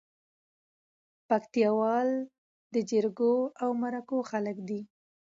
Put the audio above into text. پکتياوال دي جرګو او مرکو خلک دي